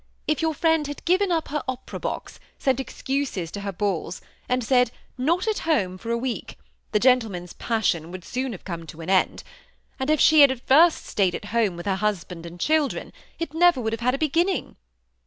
If your friend had given up her opera box, sent excuses to her balls, and said, ^ Not at home,' for a week, the gentleman's passion would soon have come to an end ; and if she had at first stayed at home with her husband and children, it never would have had a beginning.